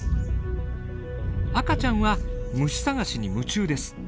赤ちゃんは虫探しに夢中です。